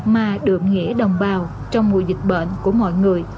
mà đượm nghĩa đồng bào trong mùa dịch bệnh của mọi người